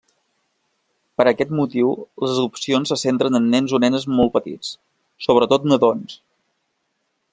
Per aquest motiu, les adopcions se centren en nens o nenes molt petits, sobretot nadons.